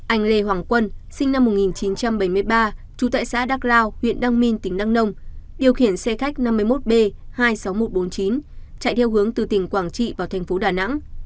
anh lê hoàng quân sinh năm một nghìn chín trăm bảy mươi ba trú tại xã đắk lao huyện đăng minh tỉnh đăng nông điều khiển xe khách năm mươi một b hai mươi sáu nghìn một trăm bốn mươi chín chạy theo hướng từ tỉnh quảng trị vào thành phố đà nẵng